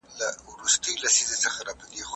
کمپيوټر اپس بندوي.